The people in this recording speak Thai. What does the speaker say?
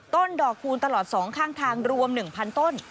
ดอกคูณตลอด๒ข้างทางรวม๑๐๐ต้น